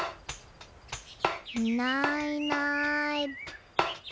いないいない。